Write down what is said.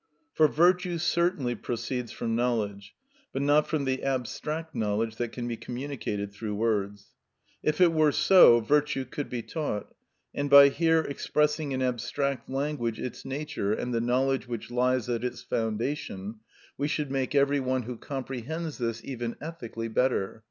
For virtue certainly proceeds from knowledge, but not from the abstract knowledge that can be communicated through words. If it were so, virtue could be taught, and by here expressing in abstract language its nature and the knowledge which lies at its foundation, we should make every one who comprehends this even ethically better.